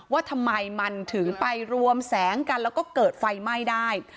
ว่าทำไมมันถึงไปรวมแสงกันแล้วก็เกิดไฟไหม้ได้